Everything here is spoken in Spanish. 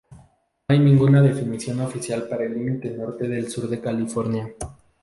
No hay ninguna definición oficial para el límite norte del Sur de California.